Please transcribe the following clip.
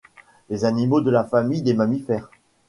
Les animaux de la famille des mammifères